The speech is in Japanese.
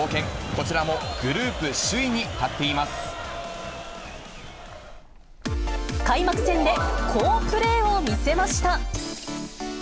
こちらもグループ首位に立ってい開幕戦で好プレーを見せました。